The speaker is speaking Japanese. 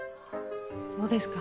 そうですか。